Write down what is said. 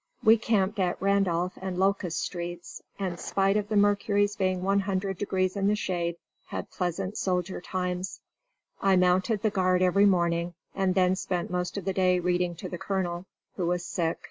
We camped at Randolph and Locust streets, and spite of the mercury's being 100 degrees in the shade, had pleasant soldier times. I mounted the guard every morning and then spent most of the day reading to the colonel, who was sick.